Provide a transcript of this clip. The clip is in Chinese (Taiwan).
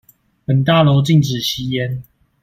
本大樓禁止吸煙